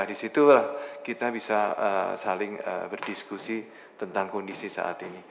disitulah kita bisa saling berdiskusi tentang kondisi saat ini